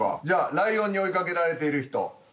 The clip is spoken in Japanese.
じゃあ「ライオンに追いかけられている人」